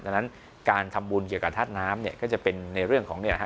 ดังนั้นการทำบุญเกี่ยวกับธาตุน้ำเนี่ยก็จะเป็นในเรื่องของเนี่ยฮะ